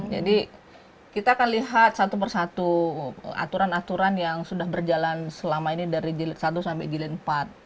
jadi kita akan lihat satu persatu aturan aturan yang sudah berjalan selama ini dari jilid satu sampai jilid empat